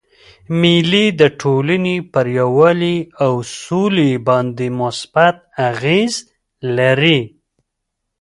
مېلې د ټولني پر یووالي او سولي باندي مثبت اغېز لري.